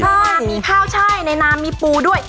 ใช่มีข้าวใช่ในน้ำมีปูด้วย